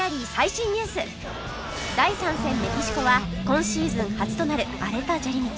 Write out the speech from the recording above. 第３戦メキシコは今シーズン初となる荒れた砂利道